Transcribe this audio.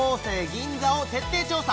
銀座を徹底調査